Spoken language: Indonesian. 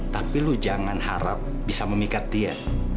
tapi lu jangan harap bisa memikat dia